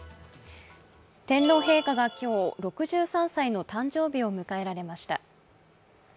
天皇陛下が今日、６３歳の誕生日を迎えられました。